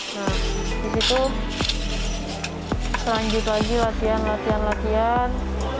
nah di situ selanjut lagi latihan latihan latihan